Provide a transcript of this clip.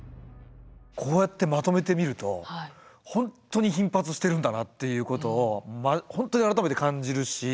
こうやってまとめてみると本当に頻発してるんだなっていうことを本当に改めて感じるし。